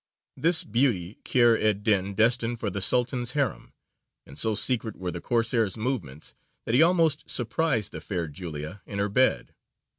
This beauty Kheyr ed dīn destined for the Sultan's harem, and so secret were the Corsairs' movements that he almost surprised the fair Giulia in her bed.